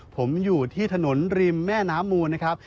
ผมอยู่ที่ถนนริมแม่น้ำมูลนะครับ